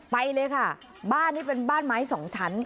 ไปเลยค่ะบ้านนี้เป็นบ้านไม้สองชั้น